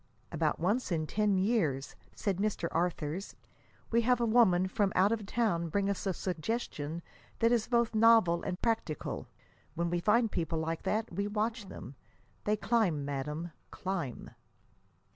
"About once in ten years," said Mr. Arthurs, "we have a woman from out of town bring us a suggestion that is both novel and practical. When we find people like that, we watch them. They climb, madame, climb."